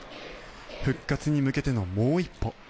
復活に向けてのもう一歩。